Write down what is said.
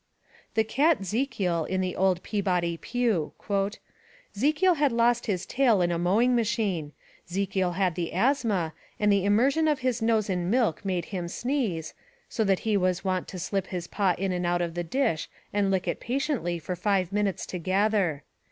The cat 'Zekiel in The Old Peabody Pew: ' 'Zekiel had lost his tail in a mowing machine; 'Zekiel had the asthma, and the immersion of his nose in milk made him sneeze, so he was wont to slip his paw in and out of the dish and lick it patiently for five minutes together.